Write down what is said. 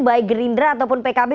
baik gerindra ataupun pkb